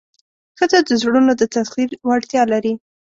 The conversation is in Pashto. ښځه د زړونو د تسخیر وړتیا لري.